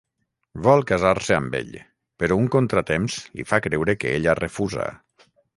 Vol casar-se amb ell, però un contratemps li fa creure que ella refusa.